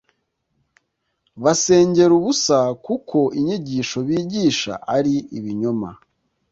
basengera ubusa kuko inyigisho bigisha ari ibinyoma